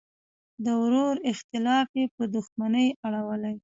د ورور اختلاف یې په دوښمنۍ اړولی.